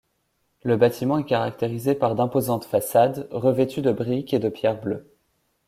Le bâtiment est caractérisé par d’imposantes façades, revêtues de briques et de pierre bleue.